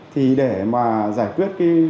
thì để mà giải quyết cái